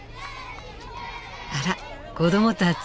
あら子どもたち。